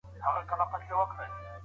که اخلاق مو ښه وي نو خلګ درناوی درته کوي.